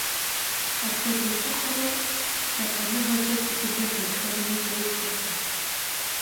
Апхуэдэ щӀыхьрэ лъапӀэныгъэкӀэ цӀыхубэр дэтхэнэми хуэупсэркъым.